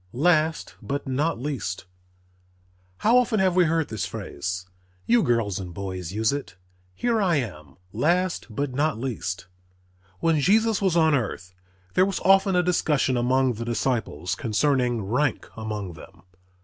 "_ LAST BUT NOT LEAST How often have we heard this phrase! You girls and boys use it, "Here I am, last but not least." When Jesus was on earth there was often a discussion among the disciples concerning rank among them.